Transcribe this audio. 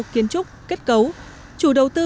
kiến trúc kết cấu chủ đầu tư